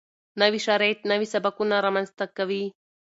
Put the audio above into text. نوي شرایط نوي سبکونه رامنځته کوي.